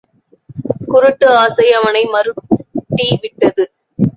குருட்டு ஆசை அவனை மருட்டி விட்டது.